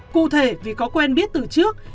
cụ thể vì có quen biết từ trước